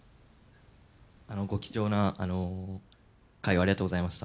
ご貴重な会をありがとうございました。